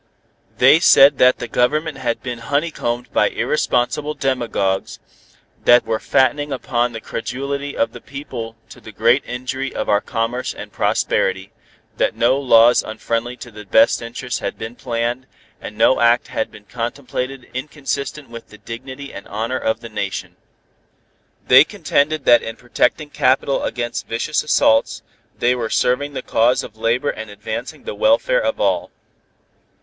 They said that the Government had been honeycombed by irresponsible demagogues, that were fattening upon the credulity of the people to the great injury of our commerce and prosperity, that no laws unfriendly to the best interests had been planned, and no act had been contemplated inconsistent with the dignity and honor of the Nation. They contended that in protecting capital against vicious assaults, they were serving the cause of labor and advancing the welfare of all.